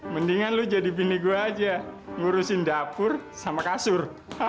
mendingan lu jadi bini gue aja ngurusin dapur sama kasur